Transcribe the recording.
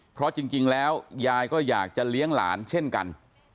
เพราะจริงแล้วยายก็อยากจะเลี้ยงหลานเช่นกัน